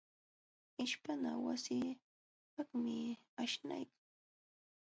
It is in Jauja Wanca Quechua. Ishpana wasikaqmi aśhnaykan.